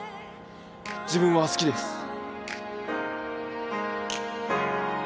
自分は好きです。